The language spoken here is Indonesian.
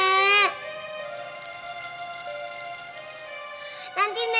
nenek jangan hujan hujan nek